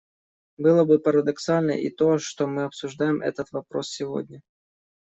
Было бы парадоксально и то, что мы обсуждаем этот вопрос сегодня.